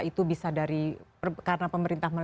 itu bisa dari karena pemerintah